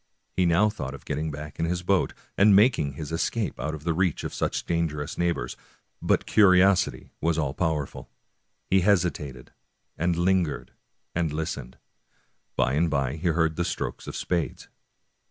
He now thought of getting back to his boat, and making his escape out of the reach of such dangerous neighbors ; but curiosity was all powerful. He hesitated, and lingered, and listened. By and by he heard the strokes of spades.